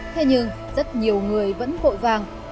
thế nhưng rất nhiều người vẫn cội vàng